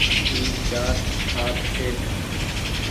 اي چآر کآٽ ڇي۔